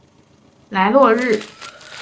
莱洛日。